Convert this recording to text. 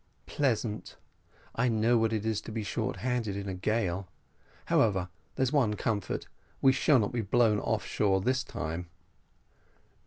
"Pleasant I know what it is to be short handed in a gale; however, there's one comfort, we shall not be blown _off shore _this time."